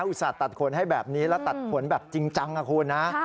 อุตส่าห์ตัดขนให้แบบนี้แล้วตัดขนแบบจริงจังนะคุณนะ